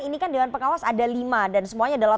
ini kan dewan pengawas ada lima dan semuanya adalah